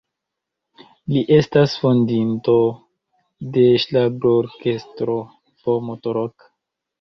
Li estas fondinto de ŝlagrorkestro "V'Moto-Rock".